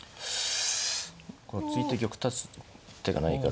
突いて玉立つ手がないから。